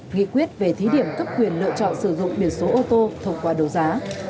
nghị quyết về thí điểm cấp quyền lựa chọn sử dụng biển số ô tô thông qua đấu giá